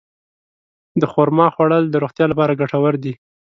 د خرما خوړل د روغتیا لپاره ګټور دي.